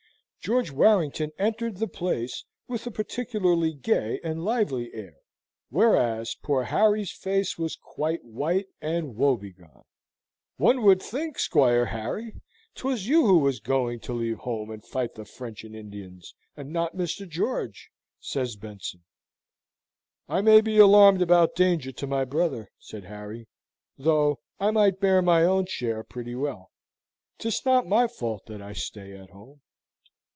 George Warrington entered the place with a particularly gay and lively air, whereas poor Harry's face was quite white and woebegone. "One would think, Squire Harry, 'twas you who was going to leave home and fight the French and Indians, and not Mr. George," says Benson. "I may be alarmed about danger to my brother," said Harry, "though I might bear my own share pretty well. 'Tis not my fault that I stay at home."